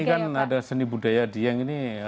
ini kan ada seni budaya dieng ini